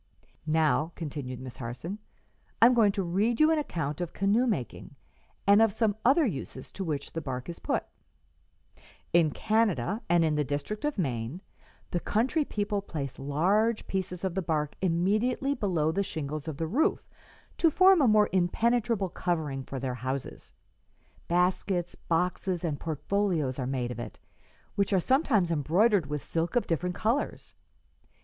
"Now," continued Miss Harson, "I am going to read you an account of canoe making, and of some other uses to which the bark is put: "'In Canada and in the district of Maine the country people place large pieces of the bark immediately below the shingles of the roof, to form a more impenetrable covering for their houses. Baskets, boxes and portfolios are made of it, which are sometimes embroidered with silk of different colors.